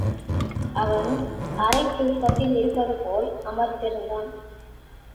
அவன் அரைத் தூக்கத்தில் இருப்பது போல் அமர்ந்திருந்தான்.